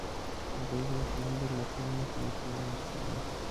هغوی به د سمندر له تل نه قیمتي الماس راوړل.